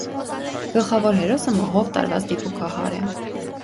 Գլխավոր հերոսը մահով տարված դիպուկահար է։